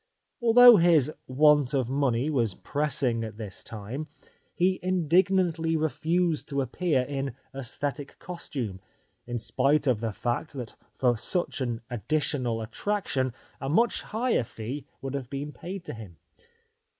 Although his want of money was pressing at this time he indignantly refused to appear in " aesthetic costume," in spite of the fact that for such an additional attraction a much higher fee would have been paid to him.